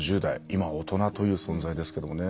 今大人という存在ですけどもね。